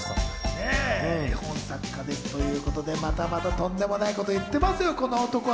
絵本作家ですということで、またまたとんでもないこと言ってますよ、この男は。